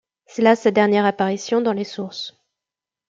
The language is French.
C'est là sa dernière apparition dans les sources.